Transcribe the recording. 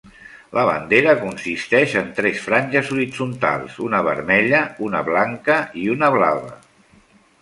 La bandera consisteix en tres franges horitzontals: una vermella, una blanca i una blava.